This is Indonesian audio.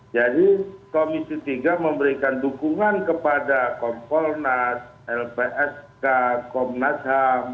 jadi komisi tiga memberikan dukungan kepada kompolnas lpsk komnas ham